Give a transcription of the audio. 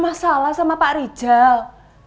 mbak ada masalah sama pak rijal